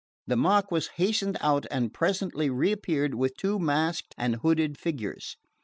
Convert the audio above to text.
The Marquess hastened out and presently reappeared with two masked and hooded figures.